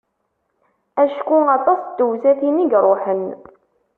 Acku aṭas n tewsatin i iruḥen.